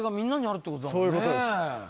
そういうことです